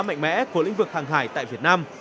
mạnh mẽ của lĩnh vực hàng hải tại việt nam